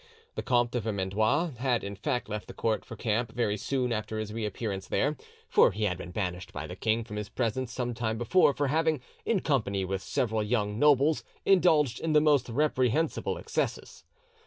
The Comte de Vermandois had in fact left the court for the camp very soon after his reappearance there, for he had been banished by the king from his presence some time before for having, in company with several young nobles, indulged in the most reprehensible excesses.